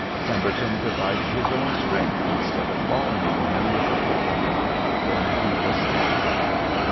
Pemberton divided his own strength instead of falling on him with the whole of it, when his was scat tered.